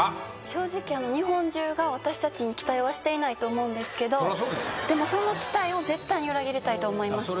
正直日本中が私たちに期待はしていないと思うんですけどそらそうですよでもその期待を絶対に裏切りたいと思います